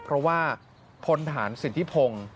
เพราะว่าพลฐานสิทธิพงศ์